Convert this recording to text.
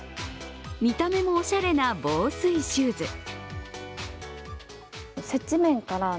見た目もおしゃれな防水シューズ。